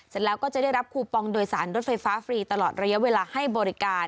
เสร็จแล้วก็จะได้รับคูปองโดยสารรถไฟฟ้าฟรีตลอดระยะเวลาให้บริการ